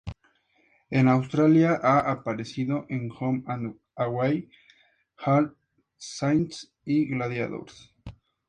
En Australia ha aparecido en "Home and Away", "All Saints" y "Gladiators".